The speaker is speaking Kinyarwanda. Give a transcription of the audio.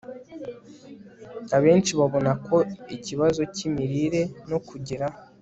Abenshi babona ko ikibazo cyimirire no kugira